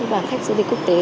và khách du lịch quốc tế